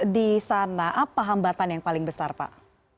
di sana apa hambatan yang paling besar pak